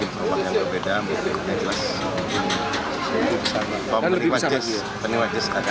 soalnya sih kami selaku media begitu ya